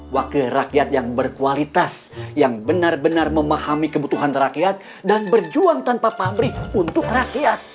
wakil rakyat yang berkualitas yang benar benar memahami kebutuhan rakyat dan berjuang tanpa pabrik untuk rakyat